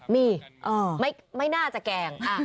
มีไม่น่าจะแกล้ง